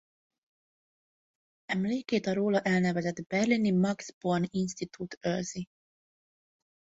Emlékét a róla elnevezett berlini Max-Born-Institut őrzi.